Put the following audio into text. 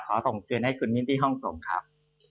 ขอส่งคืนให้คุณมิ้นที่ห้องส่งครับ